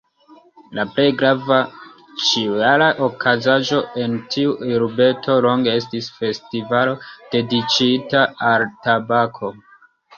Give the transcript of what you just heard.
La plej grava, ĉiujara okazaĵo en tiu urbeto longe estis festivalo dediĉita al tabako.